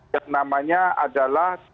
yang namanya adalah